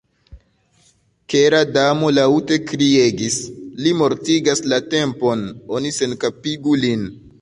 Kera Damo laŭte kriegis: 'Li mortigas la Tempon; oni senkapigu lin.'"